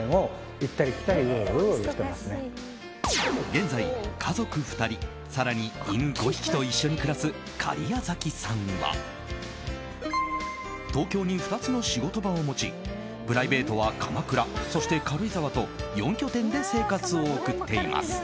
現在、家族２人、更に犬５匹と一緒に暮らす假屋崎さんは東京に２つの仕事場を持ちプライベートは鎌倉そして軽井沢と４拠点で生活を送っています。